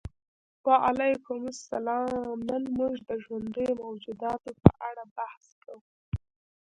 وعلیکم السلام نن موږ د ژوندیو موجوداتو په اړه بحث کوو